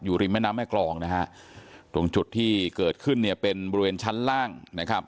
ริมแม่น้ำแม่กรองนะฮะตรงจุดที่เกิดขึ้นเนี่ยเป็นบริเวณชั้นล่างนะครับ